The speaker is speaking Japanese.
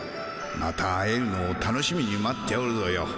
また会えるのを楽しみに待っておるぞよ。